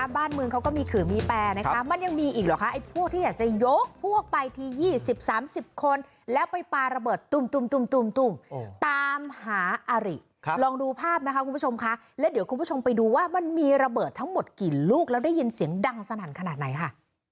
บ้านเมืองเขาก็มีขื่อมีแปรนะคะมันยังมีอีกเหรอคะไอ้พวกที่อยากจะยกพวกไปที๒๐๓๐คนแล้วไปปลาระเบิดตุ่มตามหาอาริลองดูภาพนะคะคุณผู้ชมคะแล้วเดี๋ยวคุณผู้ชมไปดูว่ามันมีระเบิดทั้งหมดกี่ลูกแล้วได้ยินเสียงดังสนั่นขนาดไหนค่ะ